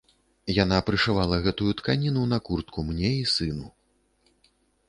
Яна прышывала гэтую тканіну на куртку мне і сыну.